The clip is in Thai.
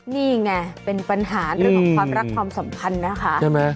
นี่ไงเป็นปัญหาเรื่องของความรักความสัมพันธ์นะคะ